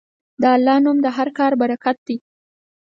د الله نوم د هر کار برکت دی.